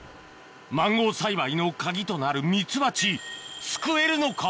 マンゴー栽培の鍵となるミツバチ救えるのか？